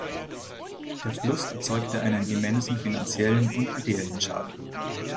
Der Verlust erzeugte einen immensen finanziellen und ideellen Schaden.